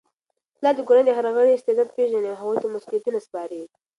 پلار د کورنی د هر غړي استعداد پیژني او هغوی ته مسؤلیتونه سپاري.